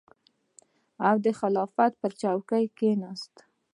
او د خلافت پر څوکۍ کېناست.